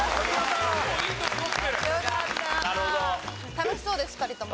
楽しそうです２人とも。